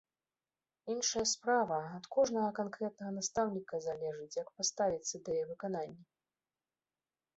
Іншая справа, ад кожнага канкрэтнага настаўніка залежыць, як паставіцца да яе выканання.